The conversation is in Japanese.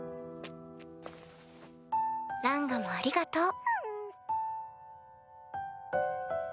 ランガもありがとう。